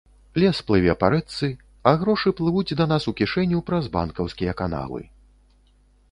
Лес плыве па рэчцы, а грошы плывуць да нас у кішэню праз банкаўскія канавы.